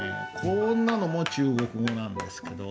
こんなのも中国語なんですけど。